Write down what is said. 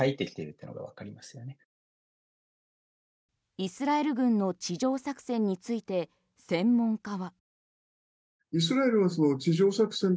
イスラエル軍の地上作戦について専門家は。